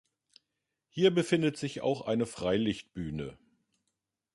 Hier befindet sich auch eine Freilichtbühne.